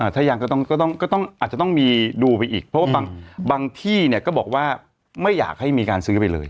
ถ้ายังก็ต้องอาจจะต้องมีดูไปอีกเพราะว่าบางที่เนี่ยก็บอกว่าไม่อยากให้มีการซื้อไปเลย